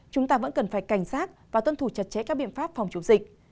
chúng ta vẫn cần phải cảnh sát và tuân thủ chặt chẽ các biện pháp phòng chống dịch